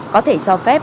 có thể cho phép